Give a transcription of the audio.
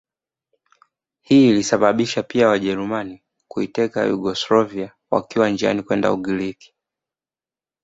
Hii ilisababisha pia Wajerumani kuiteka Yugoslavia wakiwa njiani kwenda Ugiriki